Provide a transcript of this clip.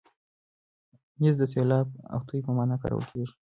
نیز د سیلاب او توی په مانا کارول کېږي.